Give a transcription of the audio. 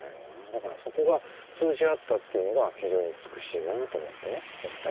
だからそこが通じ合ったというのが非常に美しいなと思ってねお二人のね。